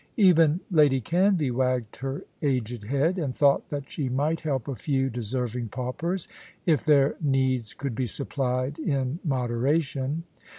Even Lady Canvey wagged her aged head, and thought that she might help a few deserving paupers, if their needs could be supplied in moderation.